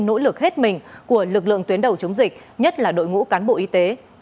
nỗ lực hết mình của lực lượng tuyến đầu chống dịch nhất là đội ngũ cán bộ y tế